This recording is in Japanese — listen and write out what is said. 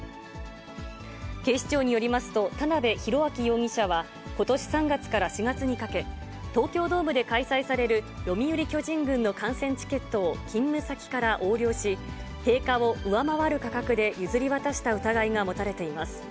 警視庁によりますと、田辺宏明容疑者はことし３月から４月にかけ、東京ドームで開催される読売巨人軍の観戦チケットを勤務先から横領し、定価を上回る価格で譲り渡した疑いが持たれています。